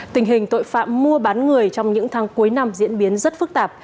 tình hình tội phạm mua bán người trong những tháng cuối năm diễn biến rất phức tạp